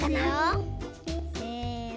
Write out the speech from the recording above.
せの。